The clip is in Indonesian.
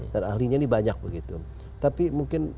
ahlinya ini banyak begitu tapi mungkin